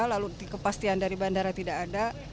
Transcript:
lalu kepastian dari bandara tidak ada